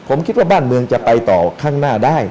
ผมคิดว่าบ้านเมืองจะไปต่อข้างหน้าได้